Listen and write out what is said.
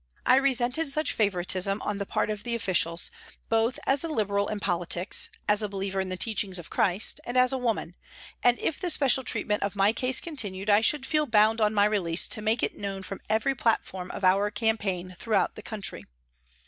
I resented such favouritism on the part of officials, both as a Liberal in politics, as a believer in the teachings of Christ, and as a woman, and if the 144 PRISONS AND PRISONERS special treatment of my case continued I should feel bound on my release to make it known from every platform of our campaign throughout the country.